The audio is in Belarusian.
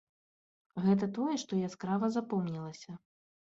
Гэта тое, што яскрава запомнілася.